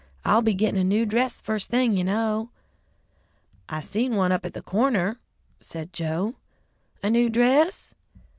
I'll be gittin' a new dress first thing, you know." "I seen one up at the corner!" said Joe. "A new dress?"